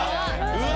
うわ。